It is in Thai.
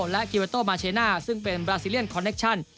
และกิเวอโต้มาเชน่าซึ่งเป็นบราซิเลียนคอนเคชั่น